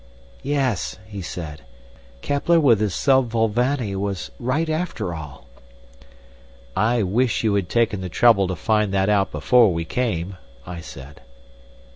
"Yes," he said, "Kepler with his sub volvani was right after all." "I wish you had taken the trouble to find that out before we came," I said.